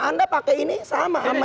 anda pakai ini sama